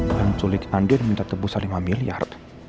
yang sulit andir minta tebusan lima miliar